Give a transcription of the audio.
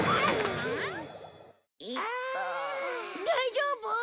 大丈夫？